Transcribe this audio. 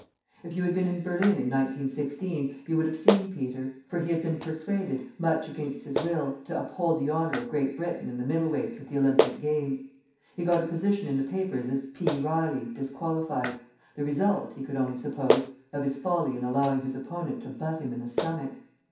If you had been in Berlin in 1916, you would have seen Peter; for he had been persuaded, much against his will, to uphold the honour of Great Britain in the middle weights at the Olympic Games. He got a position in the papers as "P. Riley, disqualified" the result, he could only suppose, of his folly in allowing his opponent to butt him in the stomach.